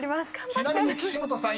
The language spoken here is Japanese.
［ちなみに岸本さん